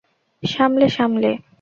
সামলে, সামলে।